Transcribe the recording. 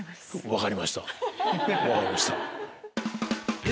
分かりました。